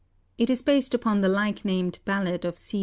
It is based upon "the like named ballad of C.